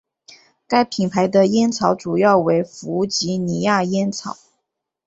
该品牌的烟草主要为弗吉尼亚烟草。